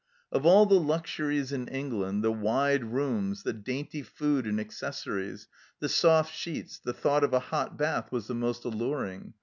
Of all the luxuries in England, the wide rooms, the dainty food and accessories, the soft sheets, the thought of a hot bath was the most alluring.